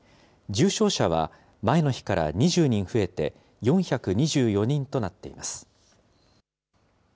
重症者は前の日から２０人増えて、４２４人となっています。